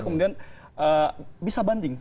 kemudian bisa banding